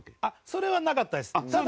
それはなかったです。